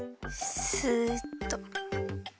スッと。